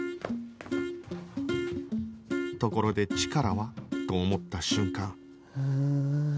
ところでチカラは？と思った瞬間